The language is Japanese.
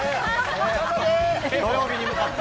土曜日に向かって。